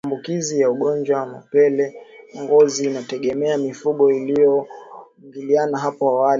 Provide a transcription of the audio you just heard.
Kiwango cha maambukizi ya ugonjwa wa mapele ya ngozi inategemea mifugo ilivyoingiliana hapo awali